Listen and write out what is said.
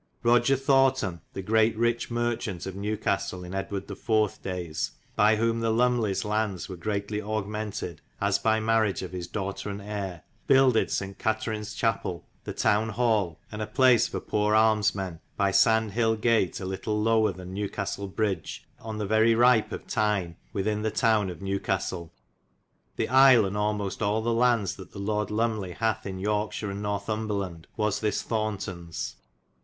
Roger Thorton * the great riche marchaunte of New castelle in Edwarde the 4. dayes, by whom the Lomeleys landes were greatly augmentid, as by mariage of his dough ter and heyre, buildid S. Katerines chapelle, the towne hauUe, and a place for pore almose menne by Sand Hille gate a litle lower then Newcastelle bridge on the very ripe of Tyne within the toun of Newcastelle. The isle, and almost al the landes that the Lorde Lomeley hath in York shir and Northumbreland, was this Thorntons.